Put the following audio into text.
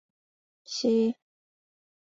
阮文清从小接受西方教育。